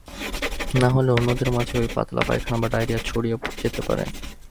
নাহলে অন্যদের মাঝেও এই পাতলা পায়খানা বা ডায়রিয়া ছড়িয়ে যেতে পারে।